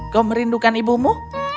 kau merindukan ibumu